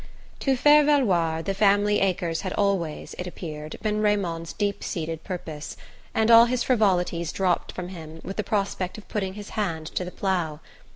To faire valoir the family acres had always, it appeared, been Raymond's deepest seated purpose, and all his frivolities dropped from him with the prospect of putting his hand to the plough.